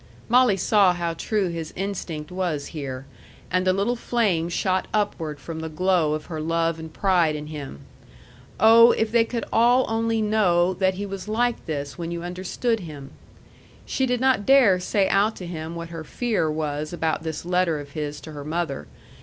Molly saw how true his instinct was here; and a little flame shot upward from the glow of her love and pride in him. Oh, if they could all only know that he was like this when you understood him! She did not dare say out to him what her fear was about this letter of his to her mother.